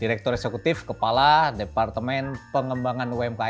direktur eksekutif kepala departemen pengembangan umkm